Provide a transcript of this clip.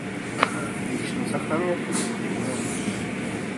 Yekcem s axxam yaf-itent gnent.